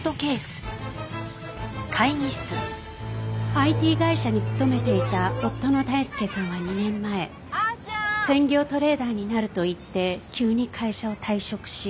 ＩＴ会社に勤めていた夫の大輔さんは２年前専業トレーダーになると言って急に会社を退職し。